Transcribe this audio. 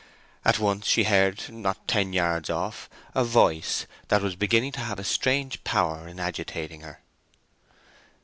At once she heard, not ten yards off, a voice that was beginning to have a strange power in agitating her.